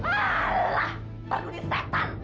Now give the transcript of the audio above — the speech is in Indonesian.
alah bandungi setan